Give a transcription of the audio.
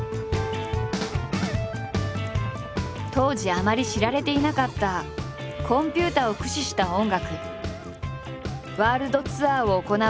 当時あまり知られていなかったコンピュータを駆使した音楽。